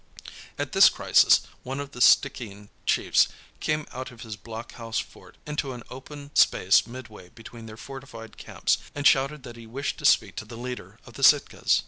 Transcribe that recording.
At this crisis one of the Stickeen chiefs came out of his block house fort into an open space midway between their fortified camps, and shouted that he wished to speak to the leader of the Sitkas.